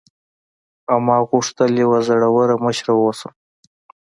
او ما غوښتل یوه زړوره مشره واوسم.